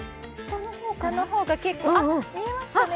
下の方が、結構見えますかね